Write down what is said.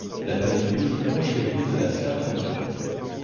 La Vallée Rouge longe les rives de la Slavianka.